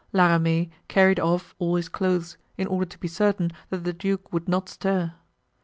La Ramee carried off all his clothes, in order to be certain that the duke would not stir.